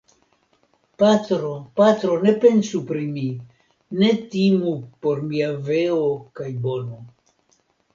Patro, patro, ne pensu pri mi; ne timu por mia veo kaj bono.